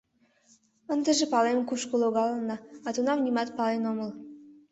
Ындыжым палем, кушко логалынна, а тунам нимат пален омыл..